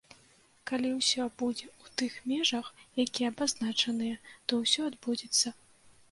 Калі ўсё будзе ў тых межах, якія абазначаныя, то ўсё адбудзецца.